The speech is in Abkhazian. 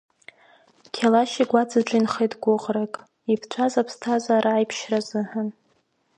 Қьалашь игәаҵаҿ инхеит гәыӷрак, иԥҵәаз иԥсҭазаара аиԥшьра азыҳәан.